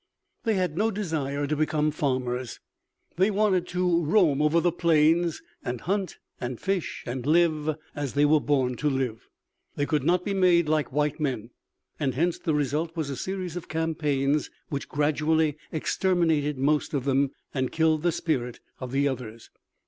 They had no desire to become farmers. They wanted to roam over the plains, and hunt, and fish, and live as they were born to live. They could not be made like white men. And hence the result was a series of campaigns which gradually exterminated most of them and killed the spirit of the others.